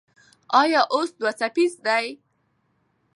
ایا اوس دوه څپیزه ده؟